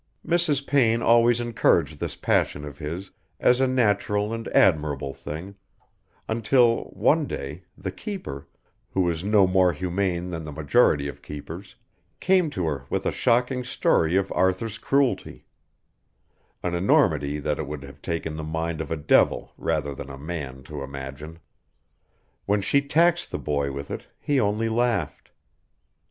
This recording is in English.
Mrs. Payne always encouraged this passion of his as a natural and admirable thing, until, one day, the keeper, who was no more humane than the majority of keepers, came to her with a shocking story of Arthur's cruelty: an enormity that it would have taken the mind of a devil, rather than a man, to imagine. When she taxed the boy with it he only laughed.